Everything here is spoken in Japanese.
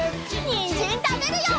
にんじんたべるよ！